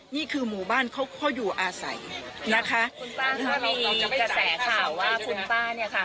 นี่คือหมู่บ้านเขาเขาอยู่อาศัยนะคะคุณป้าถ้ามีกระแสข่าวว่าคุณป้าเนี่ยค่ะ